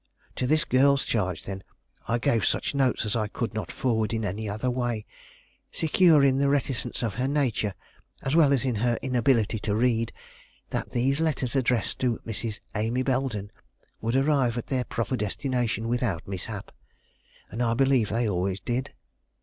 To this girl's charge, then, I gave such notes as I could not forward in any other way, secure in the reticence of her nature, as well as in her inability to read, that these letters addressed to Mrs. Amy Belden would arrive at their proper destination without mishap. And I believe they always did.